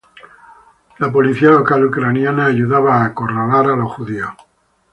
La policía local ucraniana ayudaba a acorralar a los judíos.